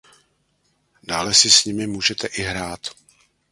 Dále si s nimi můžete i hrát.